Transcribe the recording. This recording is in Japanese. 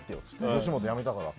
吉本辞めたから。